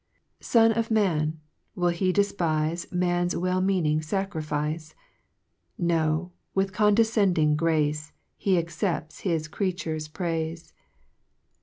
5 Son of Man, will he def] Man's well meaning faCrii No ; with condefcending grace, He accepts his creature's praife.